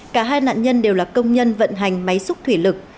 cả hai nạn nhân đều là công nhân vận hành máy xúc thủy lực